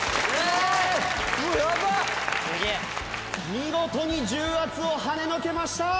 見事に重圧をはねのけました！